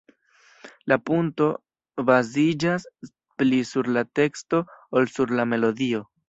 La "punto" baziĝas pli sur la teksto ol sur la melodio.